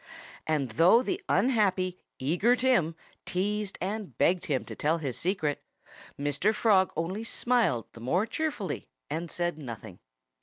And though the unhappy, eager Tim teased and begged him to tell his secret, Mr. Frog only smiled the more cheerfully and said nothing.